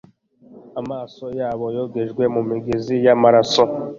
Amaso yabo yogejwe mumigezi yamaraso